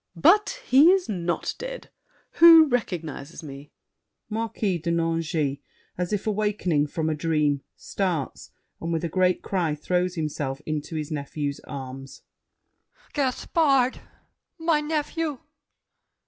But he is not dead! Who recognizes me? MARQUIS DE NANGIS (as if awakening from a dream, starts, and with a great cry throws himself into his nephew's arms). Gaspard! My nephew!